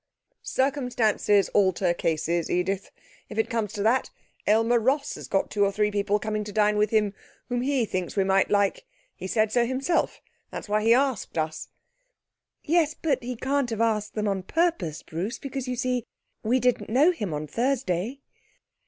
'Circumstances alter cases, Edith. If it comes to that, Aylmer Ross has got two or three people coming to dine with him whom he thinks we might like. He said so himself. That's why he's asked us.' 'Yes, but he can't have asked them on purpose, Bruce, because, you see, we didn't know him on Thursday.'